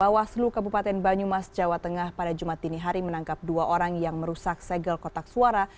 bawaslu kabupaten banyumas jawa tengah pada jumat dini hari menangkap dua orang yang merusak segel kotak suara